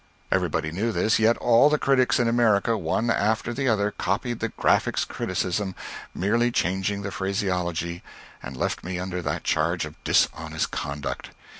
Everybody knew this, yet all the critics in America, one after the other, copied the "Graphic's" criticism, merely changing the phraseology, and left me under that charge of dishonest conduct.